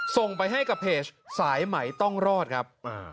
ส่งไปให้กับเพจสายไหมต้องรอดครับ